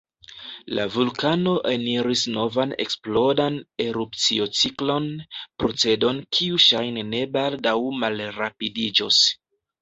La vulkano eniris novan eksplodan erupciociklon, procedon kiu ŝajne ne baldaŭ malrapidiĝos.